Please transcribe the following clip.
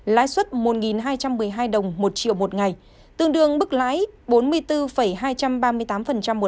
lãi suất một hai trăm một mươi hai đồng một triệu một ngày tương đương bức lãi bốn mươi bốn hai trăm ba mươi tám một năm